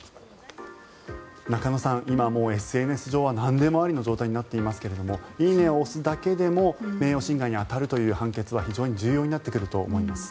中野さん、今もうＳＮＳ上はなんでもありの状態になっていますが「いいね」を押すだけでも名誉侵害に当たるという判決は非常に重要になってくると思います。